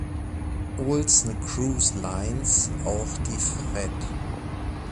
Olsen Cruise Lines auch die Fred.